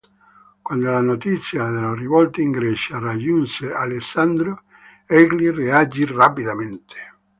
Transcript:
Quando la notizia delle rivolte in Grecia raggiunse Alessandro, egli reagì rapidamente.